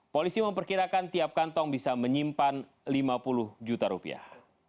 polisi memperkirakan tiap kantong bisa menyimpan lima puluh juta rupiah